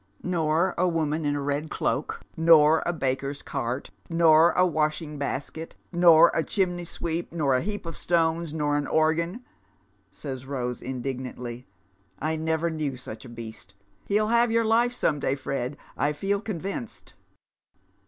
" Nor a woman in a red cloak, nor a baker's cart, nor a washing basket, nor a chimney sweep, nor a heap of stones, nor an organ," says Rose, indignantly ;" I never knew such a beast He'll have your hfe some day, Fred, I feel convinced."